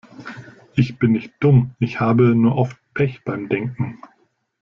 Ich bin nicht dumm, ich habe nur oft Pech beim Denken.